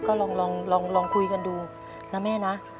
ก็ลองคุยกันดูนะแม่นะ